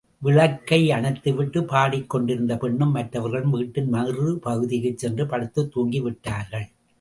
விளக்கையணைத்துவிட்டுப் பாடிக் கொண்டிருந்த பெண்ணும் மற்றவர்களும் வீட்டின் மறு பகுதிக்குச் சென்று படுத்துத் தூங்கிவிட்டார்கள்.